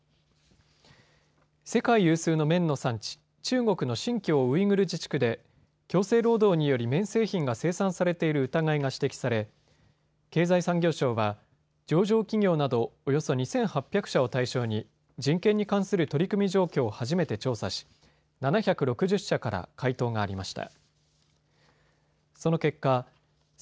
世界有数の綿の産地、中国の新疆ウイグル自治区で強制労働により綿製品が生産されている疑いが指摘され経済産業省は上場企業などおよそ２８００社を対象に人権に関する取り組み状況を初めて調査し、７６０社から回答がありました。